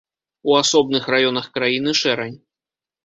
У асобных раёнах краіны шэрань.